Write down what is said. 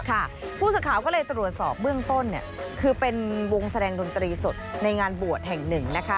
ผู้สื่อข่าวก็เลยตรวจสอบเบื้องต้นคือเป็นวงแสดงดนตรีสดในงานบวชแห่งหนึ่งนะคะ